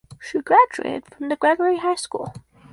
She graduated from The Gregory high school.